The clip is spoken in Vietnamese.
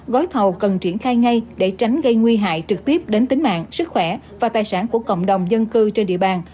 gói thầu cần triển khai ngay để tránh gây nguy hại trực tiếp đến tính mạng sức khỏe và tài sản của cộng đồng dân cư trên địa bàn